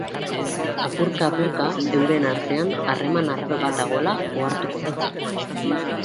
Apurka-apurka euren artean harreman arraro bat dagoela ohartuko da.